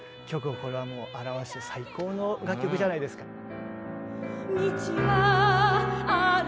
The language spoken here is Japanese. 曲これはもう表す最高の楽曲じゃないですか。